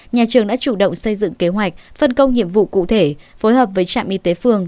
nhà trường đã chủ động xây dựng kế hoạch phân công nhiệm vụ cụ thể phối hợp với trạm y tế phường